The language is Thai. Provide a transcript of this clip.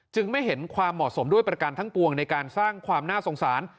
ไม่เห็นความเหมาะสมด้วยประกันทั้งปวงในการสร้างความน่าสงสาร